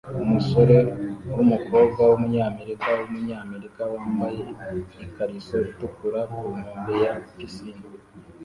Umusore wumukobwa wumunyamerika wumunyamerika wambaye ikariso itukura ku nkombe ya pisine